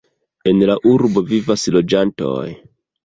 En la urbo vivas loĝantoj.